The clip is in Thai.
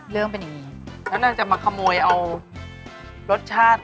อ๋อเรื่องเป็นอย่างงี้ฉันน่าจะมาขโมยเอารสชาติ